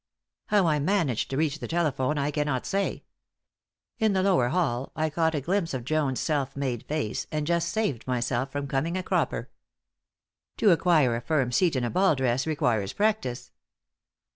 How I managed to reach the telephone, I cannot say. In the lower hall, I caught a glimpse of Jones's self made face, and just saved myself from coming a cropper. To acquire a firm seat in a ball dress requires practice.